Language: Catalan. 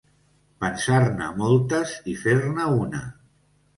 Pensar-ne moltes i fer-ne una.